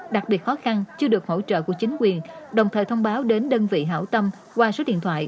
đặc biệt khó khăn chưa được hỗ trợ của chính quyền đồng thời thông báo đến đơn vị hảo tâm qua số điện thoại